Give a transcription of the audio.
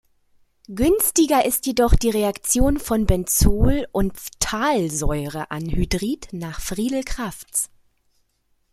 Günstiger ist jedoch die Reaktion von Benzol und Phthalsäureanhydrid nach Friedel-Crafts.